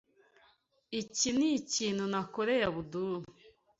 Iki nikintu nakoreye Abdul.